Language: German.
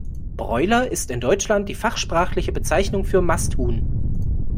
Broiler ist in Deutschland die fachsprachliche Bezeichnung für Masthuhn.